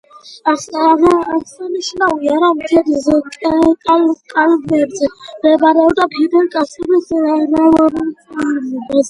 აღსანიშნავია, რომ ქედის კალთებზე მდებარეობდა ფიდელ კასტროს რევოლუციური არმიის ბაზა.